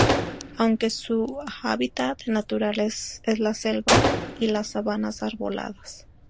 Aunque su hábitat natural es la selva y las sabanas arboladas.